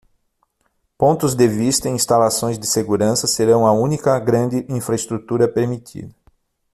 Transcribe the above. Pontos de vista e instalações de segurança serão a única grande infraestrutura permitida.